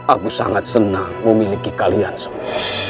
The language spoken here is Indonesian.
aku sangat senang memiliki kalian semua